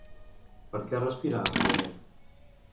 Per què respira àmpliament?